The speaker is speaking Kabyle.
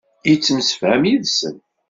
Yettemsefham yid-sen.